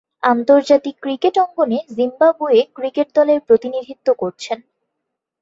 আন্তর্জাতিক ক্রিকেট অঙ্গনে Zimbabwe cricket দলের প্রতিনিধিত্ব করছেন।